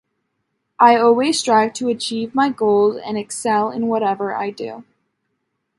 I always strive to achieve my goals and excel in whatever I do.